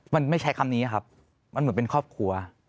มันไม่ใช้คำนี้ครับมันเหมือนเป็นครอบครัว